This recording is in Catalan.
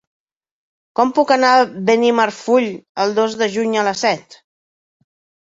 Com puc anar a Benimarfull el dos de juny a les set?